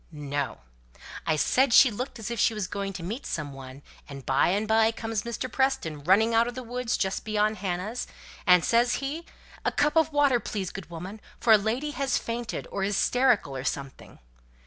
"No: I said she looked as if she was going to meet some one, and by and by comes Mr. Preston running out of the wood just beyond Hannah's, and says he, 'A cup of water, please, good woman, for a lady has fainted, or is 'sterical or something.'